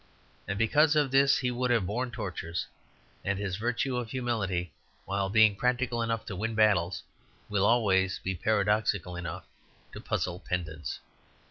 And because of this he would have borne tortures. And this virtue of humility, while being practical enough to win battles, will always be paradoxical enough to puzzle pedants.